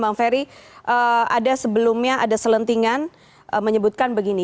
bang ferry ada sebelumnya ada selentingan menyebutkan begini